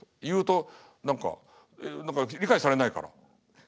言うと何か理解されないから。